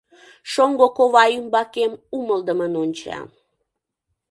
Шоҥго кува ӱмбакем умылыдымын онча.